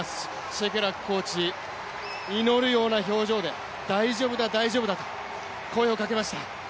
シェケラックコーチ、祈るような表情で、大丈夫だ大丈夫だと声をかけました。